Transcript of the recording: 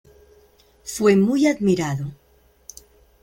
Fue muy admirado.